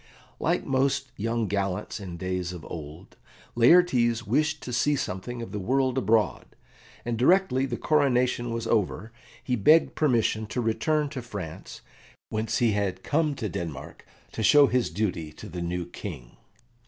Like most young gallants in days of old, Laertes wished to see something of the world abroad, and directly the coronation was over, he begged permission to return to France, whence he had come to Denmark to show his duty to the new King.